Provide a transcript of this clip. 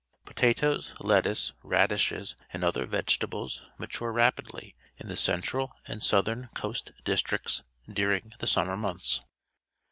Potatoes, lettuce, radishes, and other vege tables mature rapidly in the central and southern coast districts during the summer months.